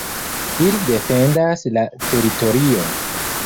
Ili defendas la teritorion.